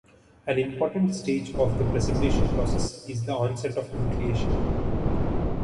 An important stage of the precipitation process is the onset of nucleation.